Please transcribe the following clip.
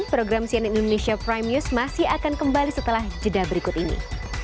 program cnn indonesia prime news masih akan kembali setelah jeda berikut ini